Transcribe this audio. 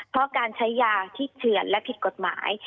เพราะการใช้ยาที่เถื่อนและผิดกฎหมาย